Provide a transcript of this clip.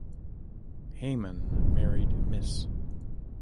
Heymann married Miss.